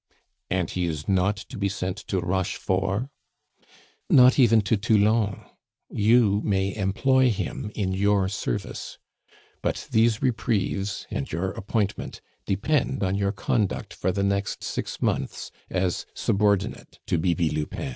"And he is not to be sent to Rochefort?" "Not even to Toulon; you may employ him in your service. But these reprieves and your appointment depend on your conduct for the next six months as subordinate to Bibi Lupin."